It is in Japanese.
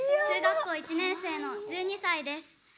中学校１年生の１２歳です